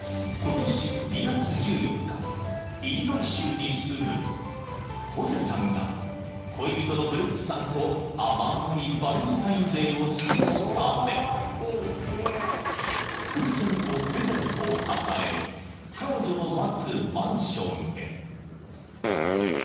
［イリノイ州に住むホセさんが恋人のブルックさんと甘いバレンタインデーを過ごすため風船とプレゼントを抱え彼女の待つマンションへ］